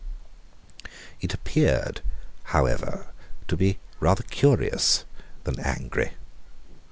It appeared, however, to be rather curious than angry.